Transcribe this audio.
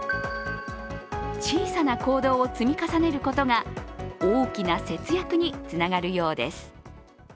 小さな行動を積み重ねることが大きな節約につながるようです。